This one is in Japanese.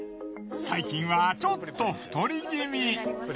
最近はちょっと太り気味。